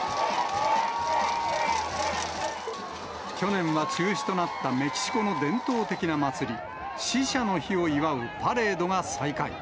去年は中止となったメキシコの伝統的な祭り、死者の日を祝うパレードが再開。